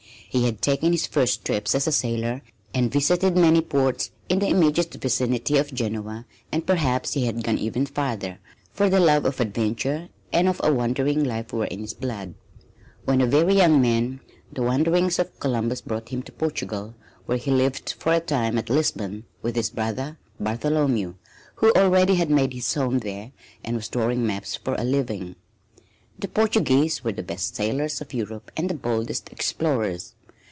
He had taken his first trips as a sailor and visited many ports in the immediate vicinity of Genoa and perhaps he had gone even farther, for the love of adventure and of a wandering life were in his blood. When a very young man the wanderings of Columbus brought him to Portugal, where he lived for a time, at Lisbon, with his brother Bartholomew, who already had made his home there and was drawing maps for a living. The Portuguese were the best sailors of Europe and the boldest explorers.